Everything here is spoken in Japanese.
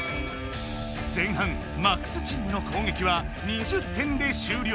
前半「ＭＡＸ」チームの攻撃は２０点で終了。